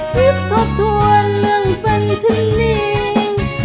ทิศทบทวนเรื่องเป็นชนิง